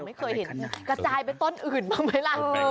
ไม่เคยเห็นกระจายไปต้นอื่นบ้างไหมล่ะ